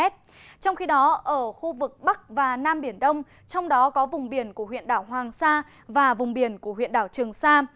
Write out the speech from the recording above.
trong khi đó ở khu vực bắc và nam biển đông trong đó có vùng biển của huyện đảo hoàng sa và vùng biển của huyện đảo trường sa